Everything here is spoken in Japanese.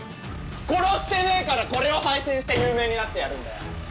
殺してねえからこれを配信して有名になってやるんだよ。